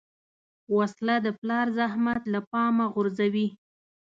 وسله د پلار زحمت له پامه غورځوي